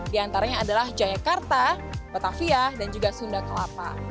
di antaranya adalah jayakarta batavia dan juga sunda kelapa